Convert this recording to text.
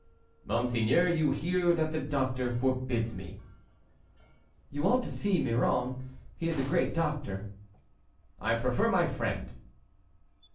"Monseigneur, you hear that the doctor forbids me." "You ought to see Miron, he is a great doctor." "I prefer my friend."